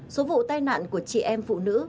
số vụ tai nạn của chị em phụ nữ